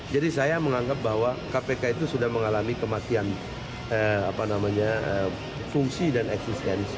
jadi saya menganggap bahwa kpk itu sudah mengalami kematian fungsi dan eksistensi